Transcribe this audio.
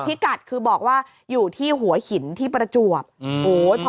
ที่กัดคือบอกว่าอยู่ที่หัวหินที่ประจวบอืม